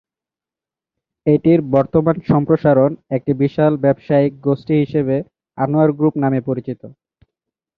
এটির বর্তমান সম্প্রসারণ একটি বিশাল ব্যবসায়িক গোষ্ঠী হিসেবে আনোয়ার গ্রুপ নামে পরিচিত।